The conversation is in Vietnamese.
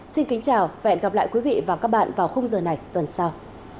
xin kính chào và hẹn gặp lại quý vị và các bạn vào khung giờ này tuần sau